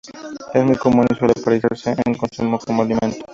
Es muy común y suele apreciarse su consumo como alimento.